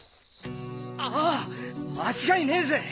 あぁ間違いねえぜ！